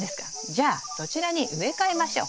じゃあそちらに植え替えましょう。